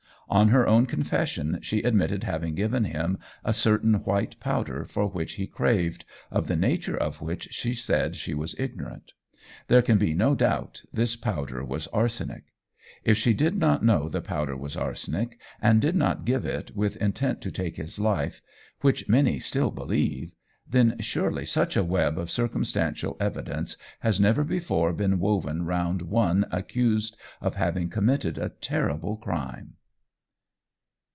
On her own confession she admitted having given him a certain white powder for which he craved, of the nature of which she said she was ignorant. There can be no doubt this powder was arsenic. If she did not know the powder was arsenic, and did not give it with intent to take his life, which many still believe, then surely such a web of circumstantial evidence has never before been woven round one accused of having committed a terrible crime.